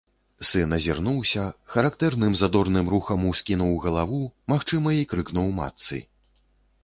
Сын азірнуўся, характэрным задорным рухам ускінуў галаву, магчыма, і крыкнуў матцы.